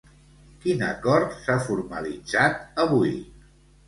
Quin acord s'ha formalitzat avui?